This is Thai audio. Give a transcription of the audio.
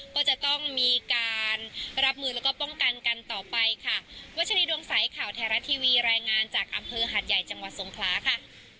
ก็จะต้องมีการรับมือแล้วก็ป้องกันกันต่อไปค่ะวัชรีดวงใสข่าวไทยรัฐทีวีรายงานจากอำเภอหาดใหญ่จังหวัดสงขลาค่ะ